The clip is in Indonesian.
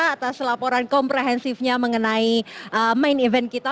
atas laporan komprehensifnya mengenai main event kita